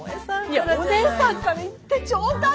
いやお姉さんから言ってちょうだい。